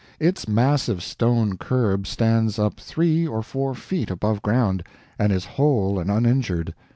Its massive stone curb stands up three or four feet above ground, and is whole and uninjured.